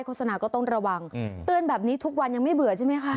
โศนาก็ต้องระวังเตือนแบบนี้ทุกวันยังไม่เบื่อใช่ไหมคะ